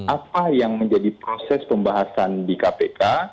apa yang menjadi proses pembahasan di kpk